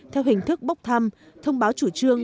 theo hình thức bốc thăm thông báo chủ trương